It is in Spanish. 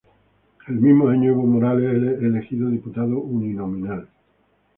El mismo año, Evo Morales es elegido diputado uninominal.